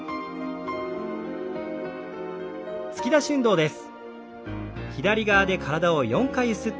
突き出し運動です。